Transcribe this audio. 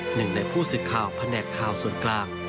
หนึ่งในผู้สื่อข่าวแผนกข่าวส่วนกลาง